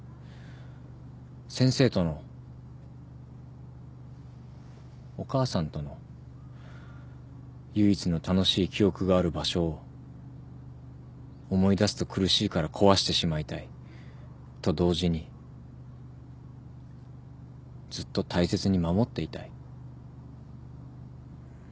先生とのお母さんとの唯一の楽しい記憶がある場所を思い出すと苦しいから壊してしまいたい。と同時にずっと大切に守っていたい。